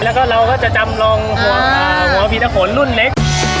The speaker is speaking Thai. แล้วก็เราก็จะจำลองหัวผีตะขนรุ่นเล็ก